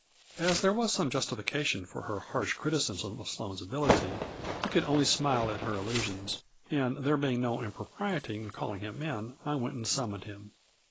As there was some justification for her harsh criticism of Sloane's ability we could only smile at her allusions, and, there being no impro priety in calling him in, I went and summoned him.